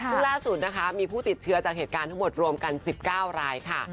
ซึ่งล่าสุดนะคะมีผู้ติดเชื้อจากเหตุการณ์ทั้งหมดรวมกัน๑๙รายค่ะ